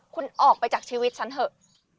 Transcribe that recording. คุณออกไปจากชีวิตฉันเถอะ